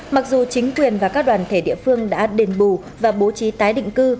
mặc dù chính quyền và các đoàn thể địa phương đã đền bù và bố trí tái định cư